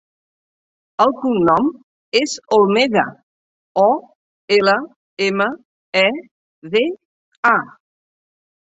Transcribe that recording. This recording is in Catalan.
El cognom és Olmeda: o, ela, ema, e, de, a.